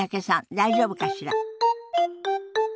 大丈夫かしら？